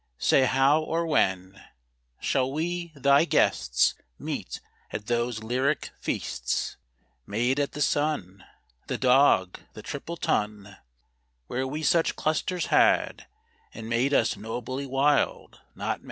Say how or when Shall we, thy guests, Meet at those lyric feasts, Made at the Sun, The Dog, the Triple Tun; Where we such clusters had, As made us nobly wild, not mad?